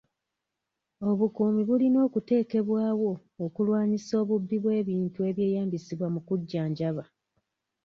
Obukuumi bulina okuteekebwawo okulwanyisa obubbi bw'ebintu ebyeyamisibwa mu kujjanjaba.